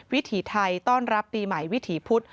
วิถีไทยต้อนรับปีใหม่วิถีพุธ